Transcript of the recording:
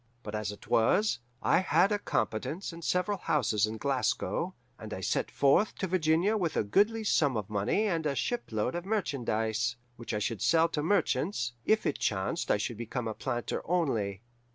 But as it was, I had a competence and several houses in Glasgow, and I set forth to Virginia with a goodly sum of money and a shipload of merchandise, which I should sell to merchants, if it chanced I should become a planter only.